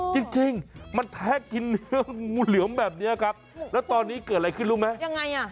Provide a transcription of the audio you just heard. จริงจริงมันแทะกินเนื้องูเหลือมแบบนี้ครับแล้วตอนนี้เกิดอะไรขึ้นรู้ไหมยังไงอ่ะ